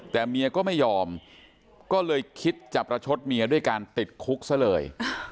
แต่เมียก็ไม่ยอมก็เลยคิดจะประชดเมียด้วยการติดคุกซะเลย